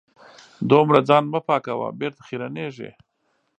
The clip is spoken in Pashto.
دومره ځان مه پاکوه .بېرته خیرنېږې